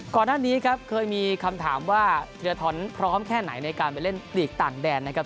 ก่อนหน้านี้ครับเคยมีคำถามว่าธีรทรพร้อมแค่ไหนในการไปเล่นหลีกต่างแดนนะครับ